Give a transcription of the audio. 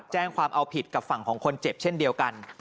แจ้งความเอาผิดกับฝั่งของคนเจ็บเช่นเดียวกัน